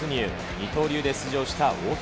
二刀流で出場した大谷。